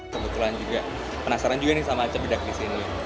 kebetulan juga penasaran juga nih sama cebidak di sini